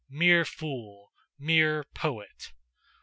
Mere fool! Mere poet!